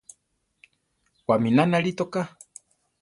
Wamína narí toká.